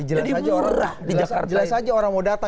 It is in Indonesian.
jadi murah di jakarta